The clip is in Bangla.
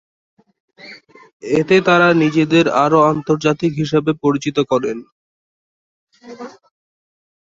এতে তারা নিজেদেরকে আরো আন্তর্জাতিক হিসেবে পরিচিত করেন।